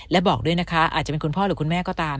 และบอกด้วยนะคะอาจจะเป็นคุณพ่อหรือคุณแม่ก็ตาม